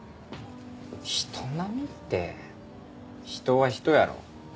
人並みって人は人やろ。